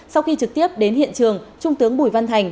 sau khi trực tiếp đến hiện trường trung tướng bùi văn thành